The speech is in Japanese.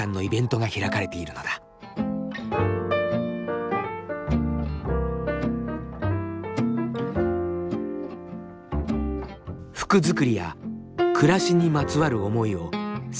服作りや暮らしにまつわる思いを参加者と共有する。